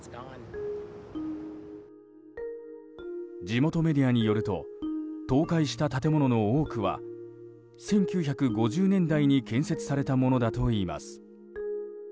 地元メディアによると倒壊した建物の多くは１９５０年代に建設されたものだといいます。